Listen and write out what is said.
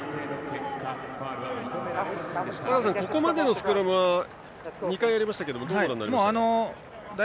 ここまでのスクラムは２回ありましたが、坂田さんどうご覧になりましたか。